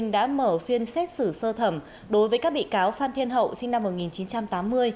đã mở phiên xét xử sơ thẩm đối với các bị cáo phan thiên hậu sinh năm một nghìn chín trăm tám mươi